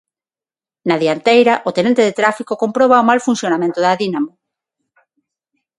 Na dianteira, o tenente de Tráfico comproba o mal funcionamento da dínamo.